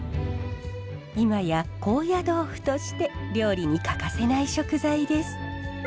今や高野豆腐として料理に欠かせない食材です。